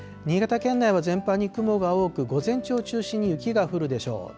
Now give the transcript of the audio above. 新潟県内は全般に雲が多く、午前中を中心に雪が降るでしょう。